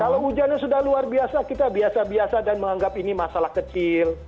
kalau hujannya sudah luar biasa kita biasa biasa dan menganggap ini masalah kecil